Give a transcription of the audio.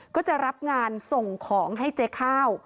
ก็จะรับงานส่งของให้เจ๊ข้าว